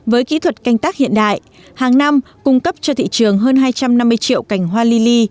với kỹ thuật canh tác hiện đại hàng năm cung cấp cho thị trường hơn hai trăm năm mươi triệu cành hoa lili